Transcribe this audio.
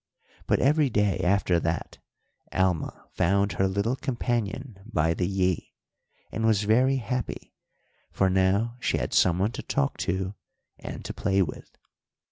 But every day after that Alma found her little companion by the Yí, and was very happy, for now she had someone to talk to and to play with."